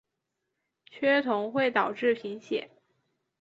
缺铜会导致贫血。